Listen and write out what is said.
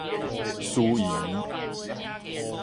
思維